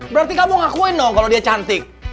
berarti kamu ngakuin dong kalau dia cantik